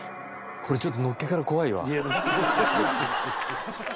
これちょっとのっけから怖いわ。